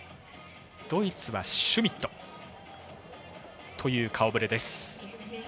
ドイツはシュミットという顔ぶれです。